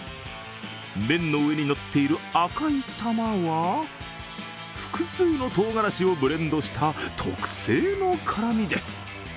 麺の上にのっている赤い玉は、複数のとうがらしをブレンドした特製の辛味です。